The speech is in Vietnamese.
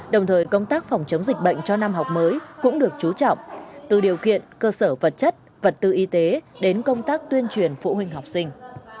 đồng thời công tác phòng chống dịch bệnh cho năm học mới cũng được chú trọng từ điều kiện cơ sở vật chất vật tư y tế đến công tác tuyên truyền phụ huynh học sinh